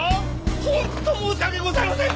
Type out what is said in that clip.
本当申し訳ございません！